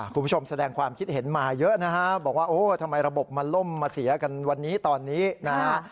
คุณผู้ชมแสดงความคิดเห็นมาเยอะนะฮะบอกว่าโอ้ทำไมระบบมาล่มมาเสียกันวันนี้ตอนนี้นะฮะ